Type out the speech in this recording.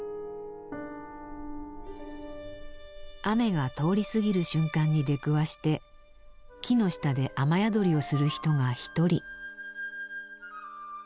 雨が通り過ぎる瞬間に出くわして木の下で雨宿りをする人が一人。